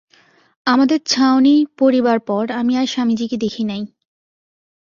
আমাদের ছাউনি পড়িবার পর আমি আর স্বামীজীকে দেখি নাই।